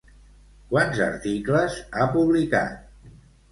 Quants articles ha publicat?